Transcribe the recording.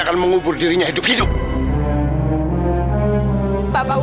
kayaknya kalo nggak ada yang bajak buat dahulu lihat gini